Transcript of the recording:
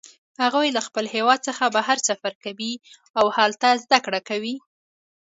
هغوی له خپل هیواد څخه بهر سفر کوي او هلته زده کړه کوي